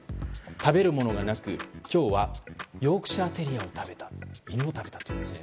食べるものがなく、今日はヨークシャーテリアを食べた犬を食べたというんです。